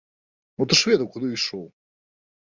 Ну, ты ж ведаў, куды ішоў!